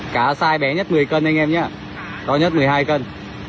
cá size bé nhất một mươi cân anh em nhé to nhất một mươi hai cân